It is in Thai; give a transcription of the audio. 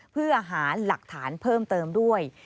เพื่อหาหลักฐานเพิ่มเติมด้วย